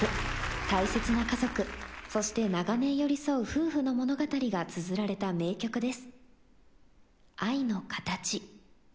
大切な家族そして長年寄り添う夫婦の物語がつづられた名曲です。